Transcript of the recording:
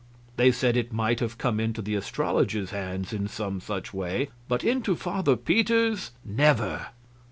They said it might have come into the astrologer's hands in some such way, but into Father Peter's, never!